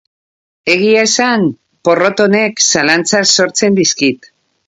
Egia esan, porrot honek zalantzak sortzen diizkit.